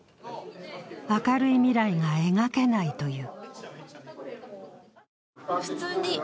明るい未来が描けないという。